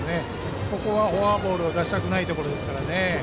ここはフォアボールを出したくないところです。